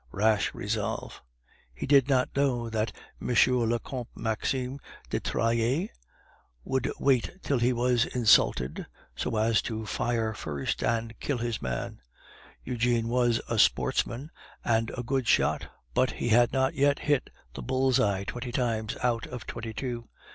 Rash resolve! He did not know that M. le Comte Maxime de Trailles would wait till he was insulted, so as to fire first and kill his man. Eugene was a sportsman and a good shot, but he had not yet hit the bulls's eye twenty times out of twenty two.